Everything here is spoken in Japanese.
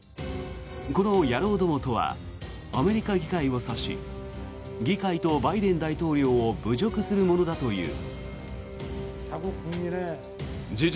この野郎どもとはアメリカ議会を指し議会とバイデン大統領を侮辱するものだという。